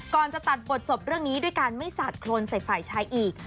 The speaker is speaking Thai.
จะตัดบทจบเรื่องนี้ด้วยการไม่สาดโครนใส่ฝ่ายชายอีก